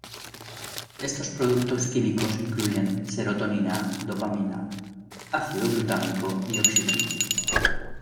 Estos productos químicos incluyen serotonina, dopamina, ácido glutámico y óxido nítrico.